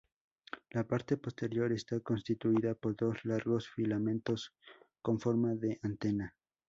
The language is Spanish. La parte posterior está constituida por dos largos filamentos con forma de antena.